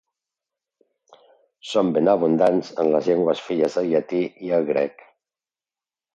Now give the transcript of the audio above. Són ben abundants en les llengües filles del llatí i el grec.